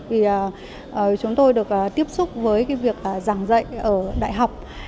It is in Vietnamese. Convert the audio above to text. vì chúng tôi được tiếp xúc với việc giảng dạy ở đại học